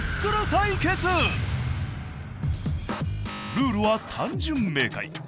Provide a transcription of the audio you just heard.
ルールは単純明快。